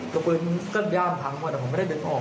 กระปืนก็ย่ามทั้งหมดแต่ผมไม่ได้เดินออก